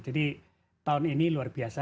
jadi tahun ini luar biasa